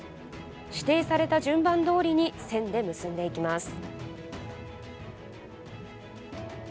指定された順番どおりに線で結んでいきます。